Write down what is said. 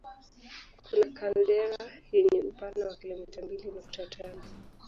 Kuna kaldera yenye upana wa kilomita mbili nukta tano